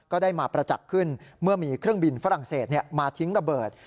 ก็ได้มาประจักษ์ขึ้นเมื่อมีเครื่องบินฝรั่งเศสมาทิ้งระเบิด